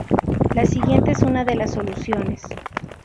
La siguiente es una de las soluciones.